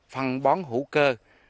phân bón hữu cơ